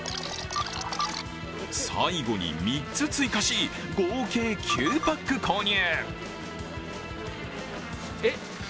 最後に３つ追加し、合計９パック購入。